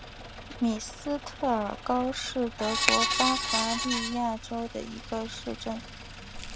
米斯特尔高是德国巴伐利亚州的一个市镇。